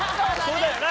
そうだよな。